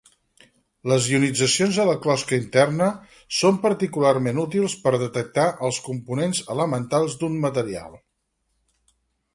Les ionitzacions de la closca interna són particularment útils per detectar els components elementals d'un material.